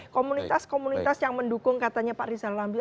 komunitas komunitas yang mendukung katanya pak rizal lambi ada di bawah